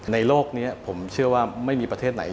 โลกนี้ผมเชื่อว่าไม่มีประเทศไหน